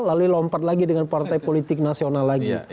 lalu lompat lagi dengan partai politik nasional lagi